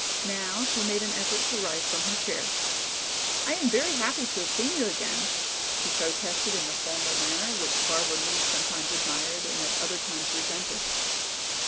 Now she made an effort to rise from her chair. "I am very happy to have seen you again," she protested in the formal manner which Barbara Meade sometimes admired and at other times resented.